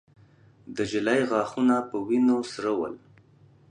د نجلۍ غاښونه په وينو سره ول.